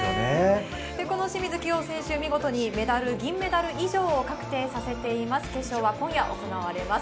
この清水希容選手、見事に銀メダル以上を確定させています。